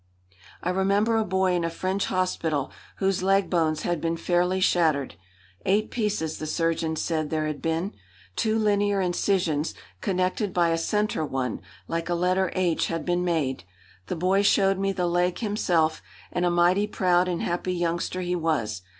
I remember a boy in a French hospital whose leg bones had been fairly shattered. Eight pieces, the surgeon said there had been. Two linear incisions, connected by a centre one, like a letter H, had been made. The boy showed me the leg himself, and a mighty proud and happy youngster he was.